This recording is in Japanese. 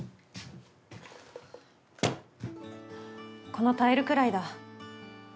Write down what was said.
このタイルくらいだ。